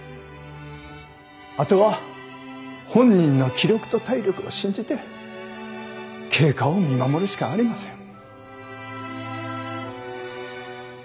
あとは本人の気力と体力を信じて経過を見守るしかありません。